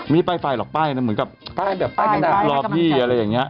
ไม่ใช่ไฟหรอกป้ายเหมือนกับป้ายเหมือนกับรอพี่อะไรอย่างนี้